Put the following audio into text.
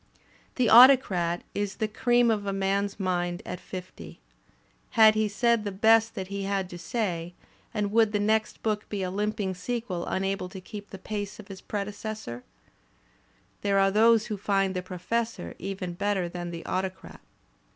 "The Autocrat" is the cream of a man's mind at fifty. Had he said the best that he had to say, and would the next book be a limping sequel imable to keep the pace of its pre decessor? There are those who find "The Professor" even better than "The Autocrat."